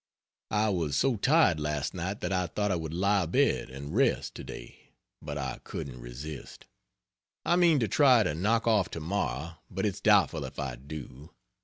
I was so tired last night that I thought I would lie abed and rest, to day; but I couldn't resist. I mean to try to knock off tomorrow, but it's doubtful if I do.